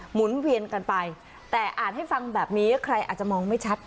หุ่นเวียนกันไปแต่อ่านให้ฟังแบบนี้ใครอาจจะมองไม่ชัด